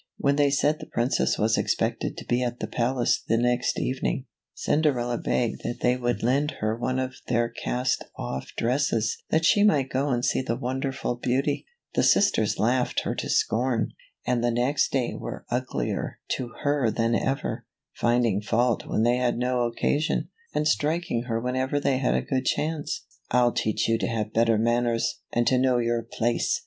When they said the Princess was expected to be at the palace the next evening, Cinderella begged that they would lend her one of their cast off dresses that she might go and see the wonderful beauty. 1 he sisters laughed her to scorn, and the next day were uglier 30 CINDERELLA , OR THE LITTLE GLASS SLIPPER. TRYING ON THE SLIPPER. to her than ever, finding fault when they had no occasion, and striking her whenever they had a good chance. " I'll teach you to have better manners, and to know your place!